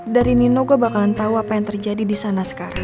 dari nino gue bakalan tahu apa yang terjadi di sana sekarang